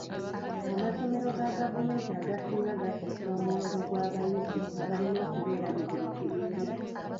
Amasomero ga gavumenti agasinga gasussa omuwendo gw'abayizi abalina okubeera mu buli kibiina.